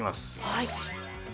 はい。